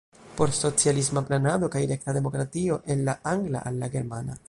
Por socialisma planado kaj rekta demokratio" el la angla al la germana.